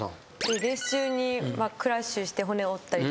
レース中にクラッシュして骨折ったりとか。